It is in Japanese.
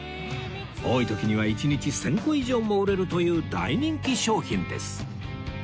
多い時には一日１０００個以上も売れるという大人気商品です